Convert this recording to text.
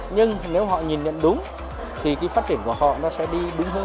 nhưng nếu họ nhìn nhận đúng thì phát triển của họ sẽ đi